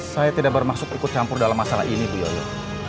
saya tidak bermaksud ikut campur dalam masalah ini bu yoyo